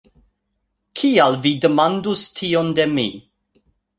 "Kial vi demandus tion de mi?